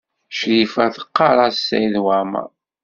Crifa teɣɣar-as Saɛid Waɛmaṛ.